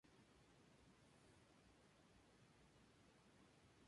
Como dije antes, comenzamos a producir juntos.